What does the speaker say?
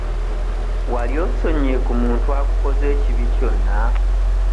Wali osonyiye ku muntu akukoze ekibi kyonna?